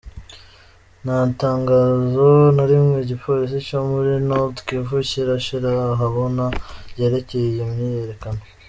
Nta tangazo na rimwe igipolisi co muri Nord-Kivu kirashira ahabona ryerekeye iyo myiyerekano.